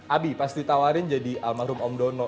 abi pasti ditawarin jadi almarhum om dono